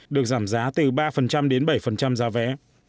được giảm giá từ ba đến bảy giá vé